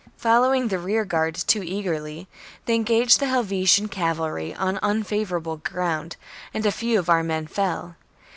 Following the rearguard too eagerly, they engaged the Hel vetian cavalry on unfavourable ground, and a few of our men fell.